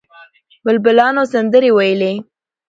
بلبلانو سندرې ویلې.